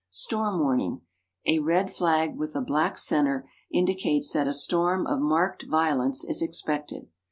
Storm Warning: A red flag with a black center indicates that a storm of marked violence is expected.